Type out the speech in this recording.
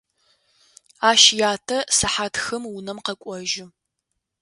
Ащ ятэ сыхьат хым унэм къэкӏожьы.